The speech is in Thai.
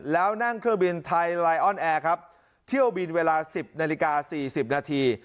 แล้วนั่งเครื่องบินไทยไลออนแอร์ครับเที่ยวบินเวลา๑๐นาฬิกา๔๐นาที